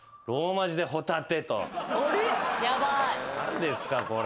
何ですかこれ。